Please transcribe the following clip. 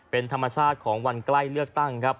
เป็นธรรมชาติของวันใกล้เลือกตั้งครับ